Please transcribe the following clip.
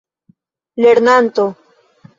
lernanto